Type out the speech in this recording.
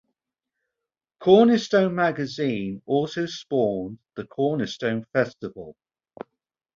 "Cornerstone" magazine also spawned the Cornerstone Festival.